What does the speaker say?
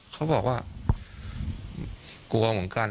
เขาบอกว่ากลัวเหมือนกัน